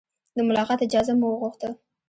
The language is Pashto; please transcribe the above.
د ملاقات اجازه مو وغوښته.